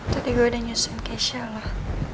tadi gue udah nyusuin keisha lah